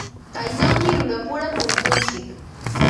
Kaynawmi runapura tunkuntsik.